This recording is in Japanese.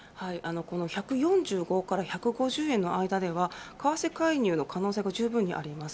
１４５円から１５０円の間では為替介入の可能性がじゅうぶんにあります。